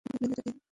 Please, যেতে দিন।